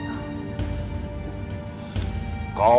kau sudah menjadi dirimu yang baru